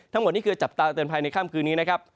ทั้งหมดนี่คือจับตาเตือนภัยในค่ำคืนนี้นะครับ